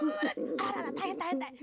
あらあらたいへんたいへんたいへん。